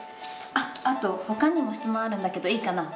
あっあとほかにも質問あるんだけどいいかな？